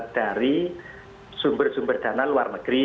dari sumber sumber dana luar negeri